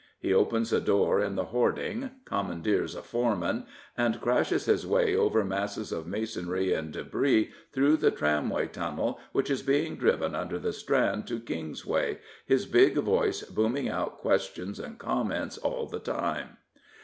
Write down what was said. He opens a door in the hoarding, com mandeers a foreman, and crashes his way over masses of masonry and debris through the tramway tunnel which is being driven under the Strand to Kingsway, his big voice booming out questions and comments all the time.